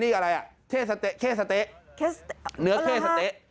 นี่อะไรเนื้อเข้สะเต๊ะ